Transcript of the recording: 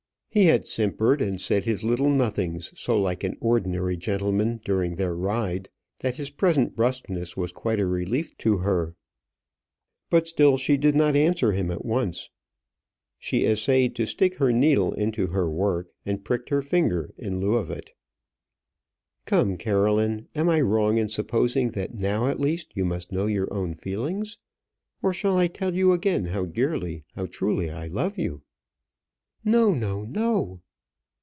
He had simpered and said his little nothings so like an ordinary gentleman during their ride, that his present brusqueness was quite a relief to her. But still she did not answer him at once. She essayed to stick her needle into her work, and pricked her finger in lieu of it. "Come, Caroline; am I wrong in supposing that now at least you must know your own feelings? Or shall I tell you again how dearly, how truly I love you?" "No! no! no!"